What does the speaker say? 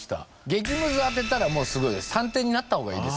激ムズ当てたらもうすごいです探偵になった方がいいです